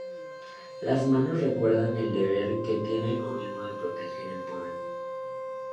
Las manos recuerdan el deber que tiene el gobierno de proteger el pueblo.